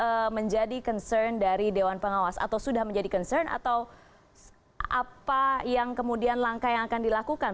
jadi apakah itu sudah menjadi concern dari dewan pengawas atau sudah menjadi concern atau apa yang kemudian langkah yang akan dilakukan